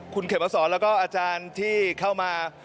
คุณเขมสอนแล้วก็อาจารย์ที่เข้ามา